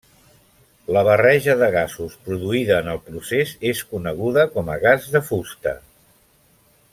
La barreja de gasos produïda en el procés és coneguda com a gas de fusta.